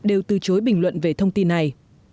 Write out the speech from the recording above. đều từ chối bình luận về thông tin này